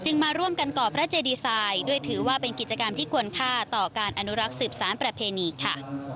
มาร่วมกันก่อพระเจดีไซน์ด้วยถือว่าเป็นกิจกรรมที่ควรค่าต่อการอนุรักษ์สืบสารประเพณีค่ะ